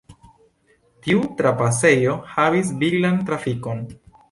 Tiu trapasejo havis viglan trafikon.